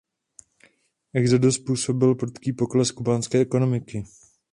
Exodus způsobil prudký pokles kubánské ekonomiky.